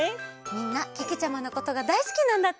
みんなけけちゃまのことがだいすきなんだって。